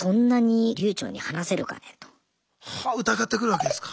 はあっ疑ってくるわけですか。